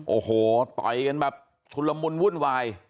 โอ้โหต่อยกันแบบชุนละมุนวุ่นวาย